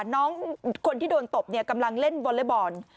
น้องคนที่โดนตบกำลังเล่นวอเล็กบอล